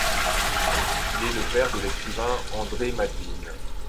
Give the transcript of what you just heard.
Il est le père de l’écrivain André Madeline.